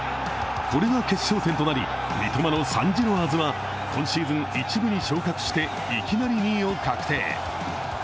これが決勝点となり三笘のサン＝ジロワーズは今シーズン１部に昇格していきなり２位を確定。